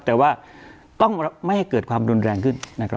แต่ว่าต้องไม่ให้เกิดความรุนแรงขึ้นนะครับ